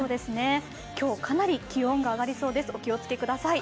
今日はかなり気温が上がりそうです、お気を付けください。